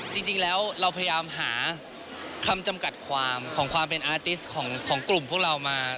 จริงแล้วเราพยายามหาคำจำกัดความของความเป็นอาร์ติสต์ของกลุ่มพวกเรามา